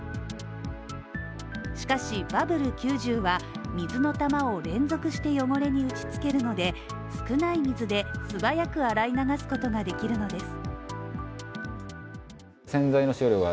しかし、Ｂｕｂｂｌｅ９０は水の玉を連続して汚れに打ち付けるので少ない水で素早く洗い流すことができるのです。